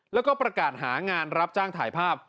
แล้วก็ประกาศหางานรับจ้างถ่ายภาพ